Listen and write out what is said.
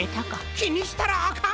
きにしたらあかん！